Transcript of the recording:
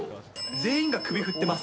全員が首振ってます。